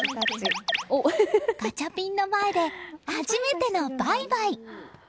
ガチャピンの前で初めてのバイバイ。